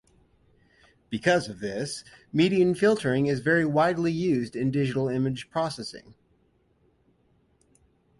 Because of this, median filtering is very widely used in digital image processing.